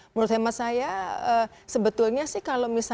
menurut hemat saya sebetulnya sih kalau misalnya